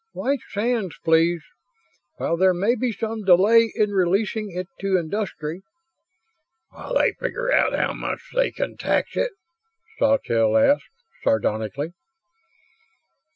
"White Sands, please. While there may be some delay in releasing it to industry ..." "While they figure out how much they can tax it?" Sawtelle asked, sardonically.